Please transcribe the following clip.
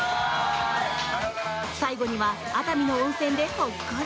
最後には熱海の温泉でほっこり。